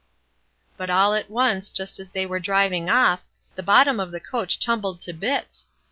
But all at once, just as they were driving off, the bottom of the coach tumbled to bits.